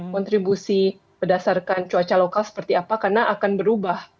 kontribusi berdasarkan cuaca lokal seperti apa karena akan berubah